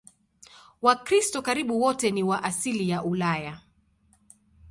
Wakristo karibu wote ni wa asili ya Ulaya.